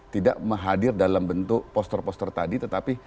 tidak menghadir dalam bentuk poster poster tadi tetapi